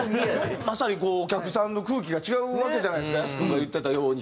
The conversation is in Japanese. まさにこうお客さんの空気が違うわけじゃないですかヤス君が言ってたように。